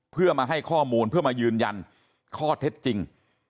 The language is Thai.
เพื่อมาให้ข้อมูลเพื่อมายืนยันข้อเท็จจริง